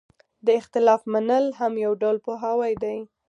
د اختلاف منل هم یو ډول پوهاوی دی.